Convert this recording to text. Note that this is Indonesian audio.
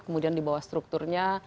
kemudian di bawah strukturnya